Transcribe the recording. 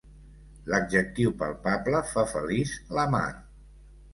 L'adjectiu palpable fa feliç la Mar.